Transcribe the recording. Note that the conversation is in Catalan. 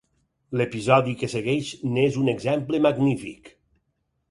L'episodi que segueix n'és un exemple magnífic.